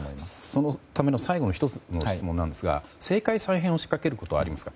そのための最後の１つの質問なんですが政界再編を仕掛けることはありますか？